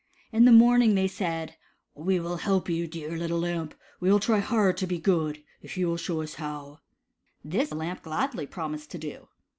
In the morning they said : "We will help you, dear little Lamp, and we will try hard to be good, if you will show us how^" This the Lamp gladly promised to do.